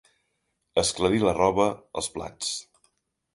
Esclarir la roba, els plats.